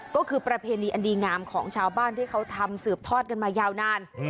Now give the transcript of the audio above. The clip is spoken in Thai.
ก็คือประเพณีอันดีงามของชาวบ้านที่เขาทำสืบทอดกันมายาวนาน